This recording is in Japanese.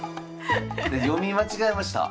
読み間違えました。